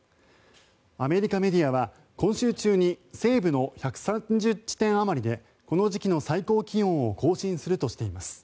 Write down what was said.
アメリカメディアは、今週中に西部の１３０地点あまりでこの時期の最高気温を更新するとしています。